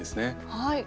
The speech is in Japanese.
はい。